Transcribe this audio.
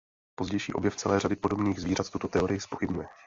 Pozdější objev celé řady podobných zvířat tuto teorii zpochybňuje.